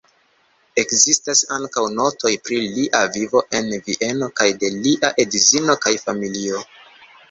Ekzistas ankaŭ notoj pri lia vivo en Vieno kaj de lia edzino kaj familio.